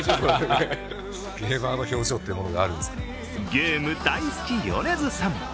ゲーム大好き米津さん。